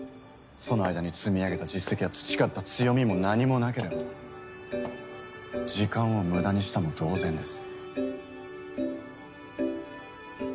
その間に積み上げた実績や培った強みも何もなければ時間を無駄にしたも同然です。